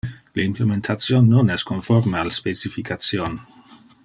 Le implementation non es conforme al specification.